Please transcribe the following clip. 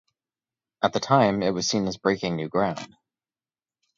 At the time it was seen as breaking new ground.